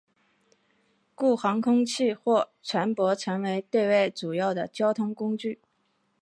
故航空器或船舶成为了对外主要的交通工具。